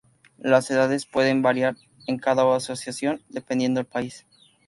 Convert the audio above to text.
Las edades pueden variar en cada asociación dependiendo del país.